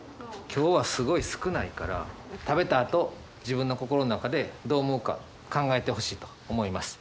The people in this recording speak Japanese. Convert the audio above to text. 今日はすごい少ないから食べたあと自分の心の中でどう思うか考えてほしいと思います。